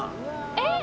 えっ？